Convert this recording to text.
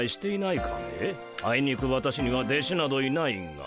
あいにく私には弟子などいないが。